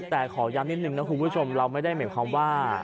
แต่ขอย้ำนิดนึงนะคุณผู้ชมเราไม่ได้หมายความว่า